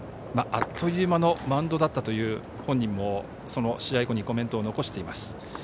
あっという間のマウンドだったという本人も試合後にコメントを残しています。